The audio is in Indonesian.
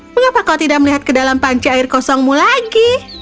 mengapa kau tidak melihat ke dalam panci air kosongmu lagi